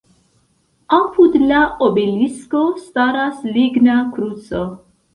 Apud la obelisko staras ligna kruco.